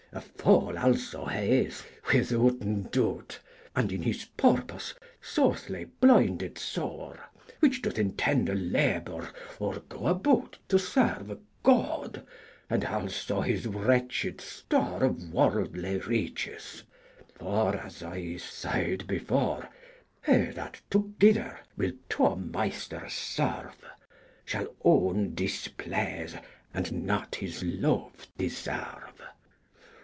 A fole also he is withouten doute, And in his porpose sothly blyndyd sore, Which doth entende labour or go aboute To serve god, and also his wretchyd store Of worldly ryches: for as I sayde before, He that togyder will two maysters serve Shall one displease and nat his love deserve.